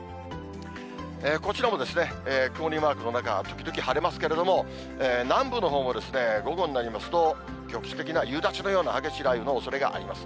こちらも曇りマークの中、時々晴れますけれども、南部のほうも午後になりますと、局地的な夕立のような激しい雷雨のおそれがあります。